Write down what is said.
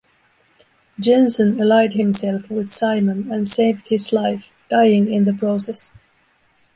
Jensen allied himself with Simon and saved his life, dying in the process.